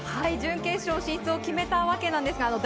準決勝進出を決めたわけです。